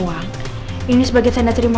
agar si raja tidakacked